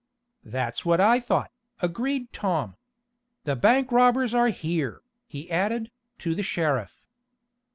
"That's what I thought," agreed Tom. "The bank robbers are here," he added, to the sheriff.